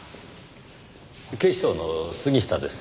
警視庁の杉下です。